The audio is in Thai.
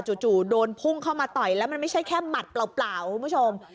จู่โดนพุ่งเข้ามาต่อยแล้วมันไม่ใช่แค่หมัดเปล่าคุณผู้ชม